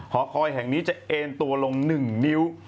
หอคอยแห่งนี้จะเอ็นตัวลง๑นิ้ว